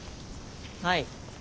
はい。